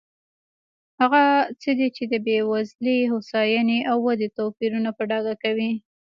هغه څه دي چې د بېوزلۍ، هوساینې او ودې توپیرونه په ډاګه کوي.